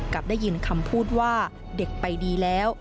ได้ยินคำพูดว่าเด็กไปดีแล้ว